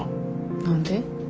何で？